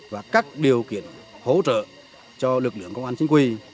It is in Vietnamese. và các điều kiện hỗ trợ cho lực lượng công an chính quy